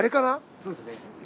そうですね。